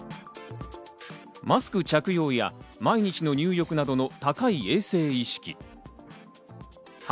マスク着用や毎日の入浴などの高い衛生意識。